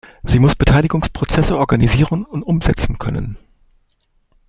Sie muss Beteiligungsprozesse organisieren und umsetzen können.